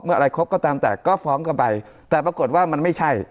อะไรครบก็ตามแต่ก็ฟ้องกันไปแต่ปรากฏว่ามันไม่ใช่